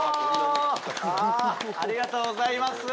ありがとうございます。